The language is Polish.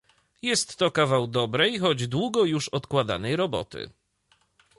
Jest to kawał dobrej, choć długo już odkładanej roboty